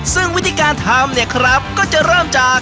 ซึ่งวิธีการทำเนี่ยครับก็จะเริ่มจาก